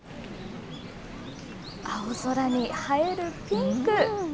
青空に映えるピンク。